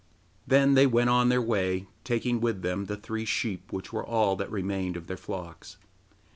Then they went on their way, taking with them the three sheep which were all that remained of their flocks.